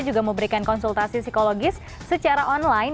juga memberikan konsultasi psikologis secara online